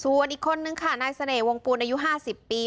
ส่วนอีกคนนึงค่ะนายเสน่หวงปูนอายุ๕๐ปี